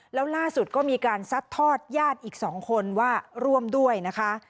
แล้วล่าสุดก็มีการซัดทอดญาติอีก๒คนว่าร่วมด้วยนะคะ